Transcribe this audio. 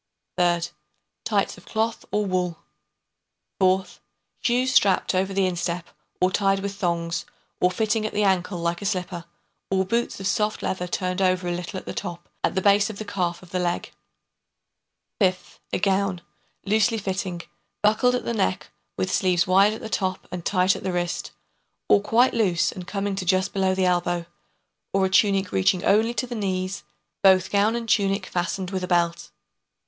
Third, tights of cloth or wool. Fourth, shoes strapped over the instep or tied with thongs, or fitting at the ankle like a slipper, or boots of soft leather turned over a little at the top, at the base of the calf of the leg. [Illustration: {A man of the time of John}] Fifth, a gown, loosely fitting, buckled at the neck, with sleeves wide at the top and tight at the wrist, or quite loose and coming to just below the elbow, or a tunic reaching only to the knees, both gown and tunic fastened with a belt.